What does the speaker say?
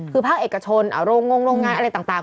คือภาคเอกชนโรงงโรงงานอะไรต่าง